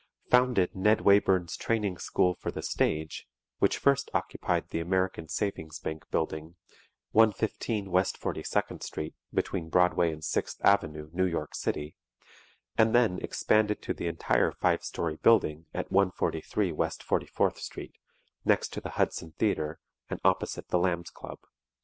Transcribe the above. Founded "Ned Wayburn's Training School for the Stage," which first occupied the American Savings Bank Building, 115 West 42nd Street, between Broadway and 6th Avenue, New York City, and then expanded to the entire five story building at 143 West 44th Street, next to the Hudson Theatre and opposite the Lambs Club.